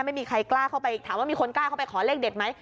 ไม่มีใครกล้าเข้าไปถามว่ามีคนกล้าเข้าไปขอเลขเด็ดไหม